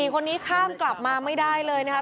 คนนี้ข้ามกลับมาไม่ได้เลยนะครับ